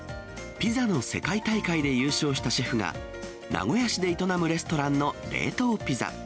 ピザの世界大会で優勝したシェフが、名古屋市で営むレストランの冷凍ピザ。